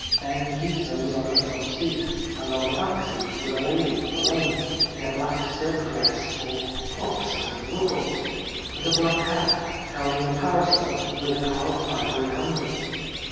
Ben Keezer was on the front seat, and on the back seat was a lady, alone, in a black silk dress all pufFs and ruffles, and a black hat, carrying a parasol with a carved ivory handle.